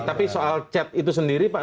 tapi soal chat itu sendiri pak